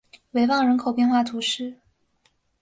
维旺人口变化图示